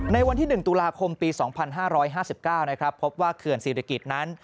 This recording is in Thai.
ในวันที่๑ตุลาคมปี๒๕๕๙นะครับพบว่าเขื่อนศิริกิจนั้น